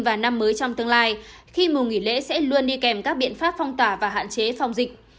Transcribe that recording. và năm mới trong tương lai khi mùa nghỉ lễ sẽ luôn đi kèm các biện pháp phong tỏa và hạn chế phòng dịch